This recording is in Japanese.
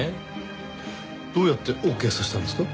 どうやってオッケーさせたんですか？